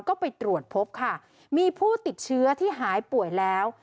ก็ไปตรวจพบค่ะมีผู้ติดเชื้อที่หายป่วยแล้ว